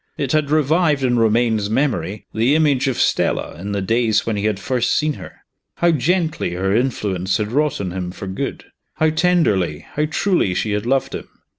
It had revived in Romayne's memory the image of Stella in the days when he had first seen her. How gently her influence had wrought on him for good! how tenderly, how truly, she had loved him.